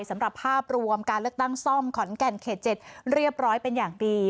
สำหรับภาพรวมการเลือกตั้งซ่อมขอนแก่นเขต๗เรียบร้อยเป็นอย่างดี